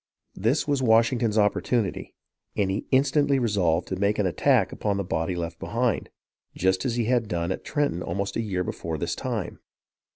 This was Washington's opportunity, and he instantly resolved to make an attack upon the body left behind, just as he had done at Trenton almost a year before this time.